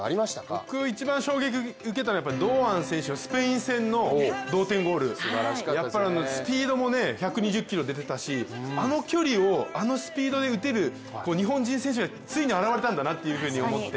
僕、一番衝撃を受けたのは堂安選手のスペイン戦の同点ゴール、やっぱり、スピードも１２０キロ出てたしあの距離をあのスピードで打てる日本人選手がついに現れたんだなと思って。